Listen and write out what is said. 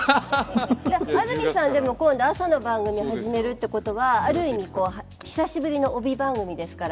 安住さん今度は朝の番組始めるということは、ある意味、久しぶりの帯番組ですから